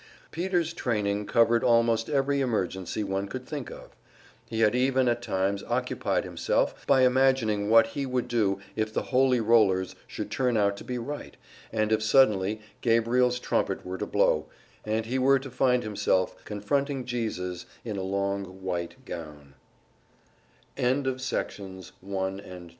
Peter's training covered almost every emergency one could think of; he had even at times occupied himself by imagining what he would do if the Holy Rollers should turn out to be right, and if suddenly Gabriel's trumpet were to blow, and he were to find himself confronting Jesus in a long white night gown. Section 3 Peter's imaginings wer